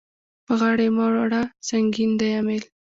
په غاړه يې مه وړه سنګين دی امېل.